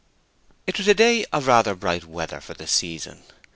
It was a day of rather bright weather for the season.